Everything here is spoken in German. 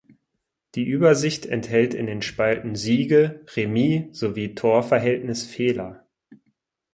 Die Übersicht enthält in den Spalten "Siege", "Remis" sowie "Torverhältnis" Fehler.